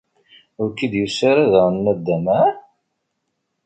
Ur k-id-yusi ara daɣen naddam, ah?